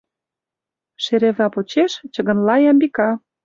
— Шерева почеш... — чыгынла Ямбика.